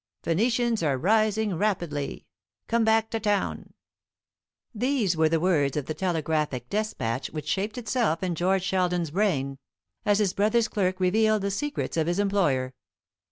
"Phoenicians are rising rapidly. Come back to town." These were the words of the telegraphic despatch which shaped itself in George Sheldon's brain, as his brother's clerk revealed the secrets of his employer.